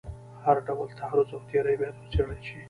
هر ډول تعرض او تیری باید وڅېړل شي.